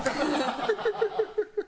ハハハハ！